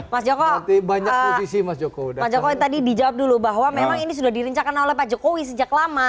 mas joko tadi dijawab dulu bahwa memang ini sudah dirincakan oleh pak jokowi sejak lama